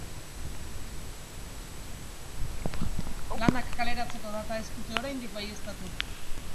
Lana kaleratzeko data ez dute oraindik baieztatu.